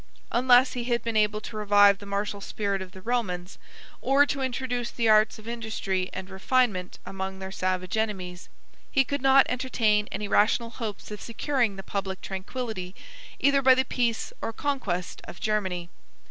Unless he had been able to revive the martial spirit of the Romans, or to introduce the arts of industry and refinement among their savage enemies, he could not entertain any rational hopes of securing the public tranquillity, either by the peace or conquest of Germany.